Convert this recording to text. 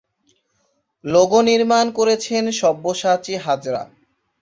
Logo নির্মাণ করেছেন সব্যসাচী হাজরা।